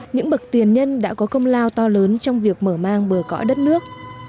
những bậc tiền nhân đã có công lao to lớn trong việc mở mang bờ cõi đất nước